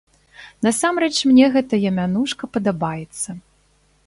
Насамрэч мне гэтая мянушка падабаецца.